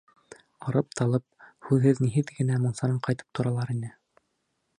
Арып-талып, һүҙһеҙ-ниһеҙ генә мунсанан ҡайтып торалар ине.